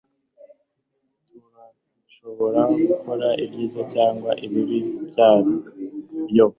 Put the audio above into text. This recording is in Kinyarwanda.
turashobora gukora ibyiza cyangwa ibibi byayo